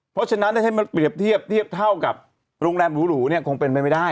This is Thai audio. เพราะฉะนั้นให้มันเปรียบเทียบเทียบเท่ากับโรงแรมหรูเนี่ยคงเป็นไปไม่ได้